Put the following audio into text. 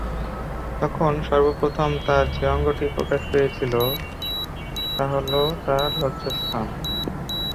তখন সর্বপ্রথম তার যে অঙ্গটি প্রকাশ পেয়েছিল তাহলে তাঁর লজ্জাস্থান।